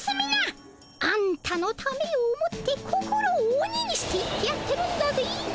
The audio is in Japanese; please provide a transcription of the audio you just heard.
あんたのためを思って心を鬼にして言ってやってるんだぜ。